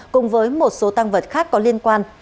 cùng với một số tăng vật khác có liên quan